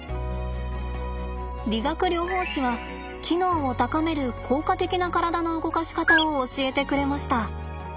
理学療法士は機能を高める効果的な体の動かし方を教えてくれました。